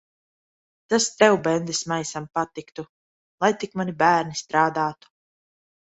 Tas tev, bendesmaisam, patiktu. Lai tik mani bērni strādātu.